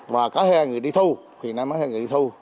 và có hai người đi thu hiện nay mới hai người đi thu